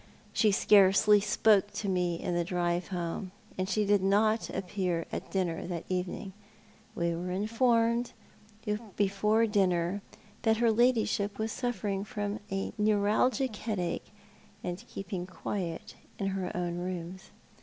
She scarcely spoke to me in tiie drive home, and she did not Appear at dinner that evening. We were informed before dinner that her ladyship was suffering from a neuralgic head ache, and keeping quiet in her own rooms.